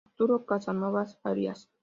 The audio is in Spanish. Arturo Casanovas Arias.